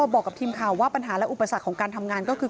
บอกกับทีมข่าวว่าปัญหาและอุปสรรคของการทำงานก็คือ